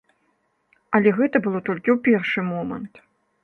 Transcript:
Але гэта было толькі ў першы момант.